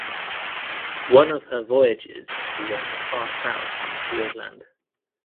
One of her voyages she went as far south as Fiordland.